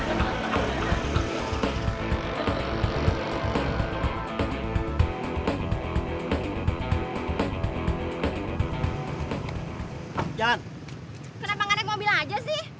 kenapa nggak naik mobil aja sih